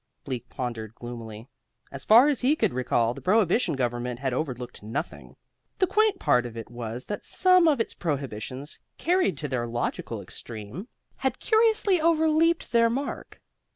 Bleak pondered gloomily. As far as he could recall, the Prohibition Government had overlooked nothing. The quaint part of it was that some of its prohibitions, carried to their logical extreme, had curiously overleaped their mark.